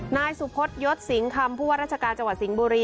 นายสุโพธยศสิงค์คำพัวรราชกาลจังหวัดสีงฝุรี